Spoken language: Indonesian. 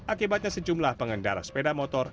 akibatnya sejumlah pengendara sepeda motor